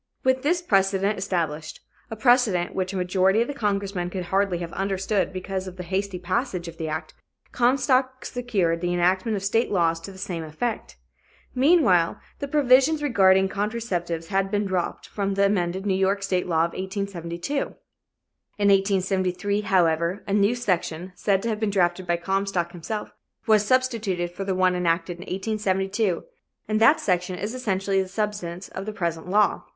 With this precedent established a precedent which a majority of the congressmen could hardly have understood because of the hasty passage of the act Comstock secured the enactment of state laws to the same effect. Meanwhile, the provisions regarding contraceptives had been dropped from the amended New York State law of 1872. In 1873, however, a new section, said to have been drafted by Comstock himself, was substituted for the one enacted in 1872, and that section is essentially the substance of the present law.